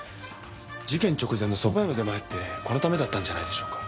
事件直前のそば屋の出前ってこのためだったんじゃないでしょうか。